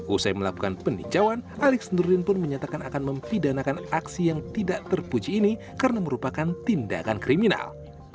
usai melakukan peninjauan alex nurdin pun menyatakan akan mempidanakan aksi yang tidak terpuji ini karena merupakan tindakan kriminal